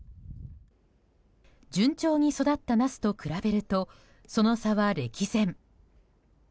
順調に育ったナスと比べるとその差は歴然。